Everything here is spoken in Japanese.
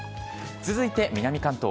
続いて南関東。